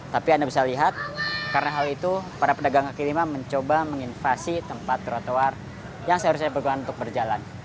tapi anda bisa lihat karena hal itu para pedagang kaki lima mencoba menginvasi tempat trotoar yang seharusnya berguna untuk berjalan